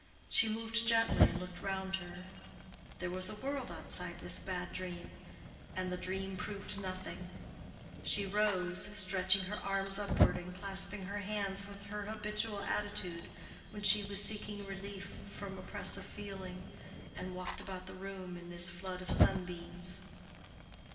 She moved gently and looked round her—there was a world outside this bad dream, and the dream proved nothing; she rose, stretching her arms upward and clasping her hands with her habitual attitude when she was seeking relief from oppressive feeling, and walked about the room in this flood of sunbeams.